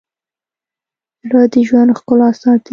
زړه د ژوند ښکلا ساتي.